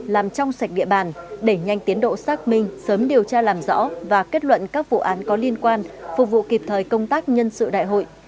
làm trong sạch địa bàn đẩy nhanh tiến độ xác minh sớm điều tra làm rõ và kết luận các vụ án có liên quan phục vụ kịp thời công tác nhân sự đại hội